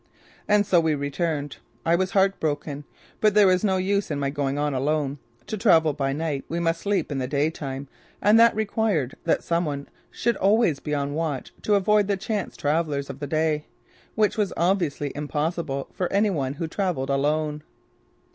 And so we returned. I was heart broken. But there was no use in my going on alone. To travel by night we must sleep in the day time and that required that some one should always be on watch to avoid the chance travellers of the day which was obviously impossible for any one who travelled alone.